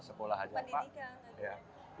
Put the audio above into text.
sekolah aja pak pendidikan